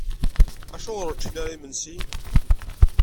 Acuɣer ur ččin ara imensi?